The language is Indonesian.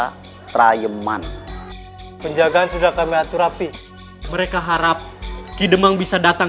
dari desa terayeman penjagaan sudah kami atur api mereka harap kidemang bisa datang